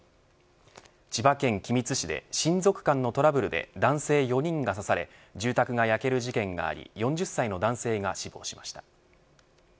千葉県君津市で親族間のトラブルで男性４人が刺され住宅が焼ける事件があり４０歳の男性が死亡しました。